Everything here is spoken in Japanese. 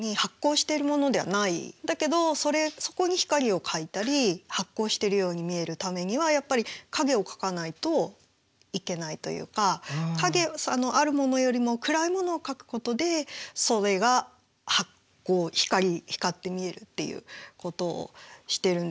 だけどそこに光を描いたり発光してるように見えるためにはやっぱり影を描かないといけないというかあるものよりも暗いものを描くことでそれが光って見えるっていうことをしてるんですよね。